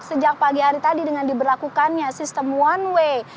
sejak pagi hari tadi dengan diberlakukannya sistem one way